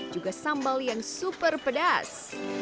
juga sambal yang super pedas